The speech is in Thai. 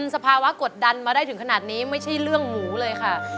สภาวะกดดันมาได้ถึงขนาดนี้ไม่ใช่เรื่องหมูเลยค่ะ